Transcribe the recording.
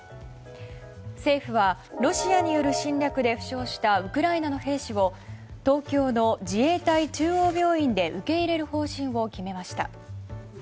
政府はロシアによる侵略で負傷したウクライナの兵士を東京の自衛隊中央病院で受け入れる方針を決めました。